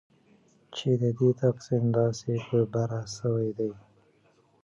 چې ددې تقسیم داسي په بره سویدي